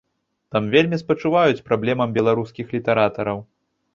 Там вельмі спачуваюць праблемам беларускіх літаратараў.